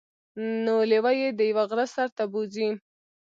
نو لیوه يې د یوه غره سر ته بوځي.